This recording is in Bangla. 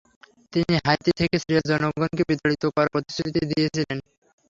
তিনি হাইতি থেকে সিরিয়ার জনগণকে বিতাড়িত করার প্রতিশ্রুতি দিয়েছিলেন।